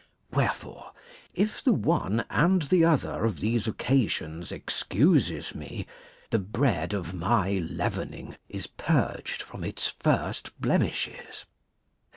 Wherefore, if the one and the other of these occasions excuses me, the bread of my leavening is purged from its first blemishes.